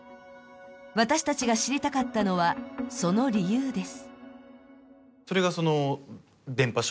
私たちが知りたかったのは、その理由です。